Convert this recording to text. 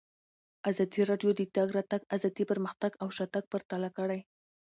ازادي راډیو د د تګ راتګ ازادي پرمختګ او شاتګ پرتله کړی.